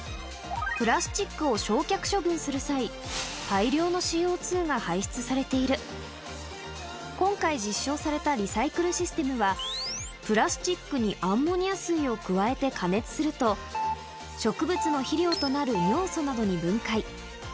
プラスチックを焼却処分する際大量のＣＯが排出されている今回実証されたリサイクルシステムはプラスチックにアンモニア水を加えて加熱すると植物の肥料となる尿素などに分解